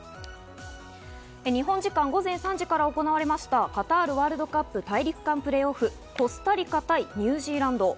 日本時間午前３時から行われましたカタールワールドカップ大陸間プレーオフ、コスタリカ対ニュージーランド。